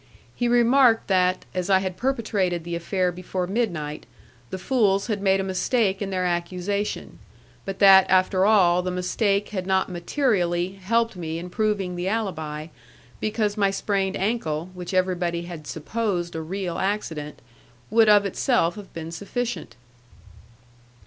He remarked that, as I had perpetrated the affair before midnight, the fools had made a mistake in their accusation; but that, after all, the mistake had not materially helped me in proving the alibi, because my sprained ankle, which everybody had supposed a real accident, would of itself have been sufficient.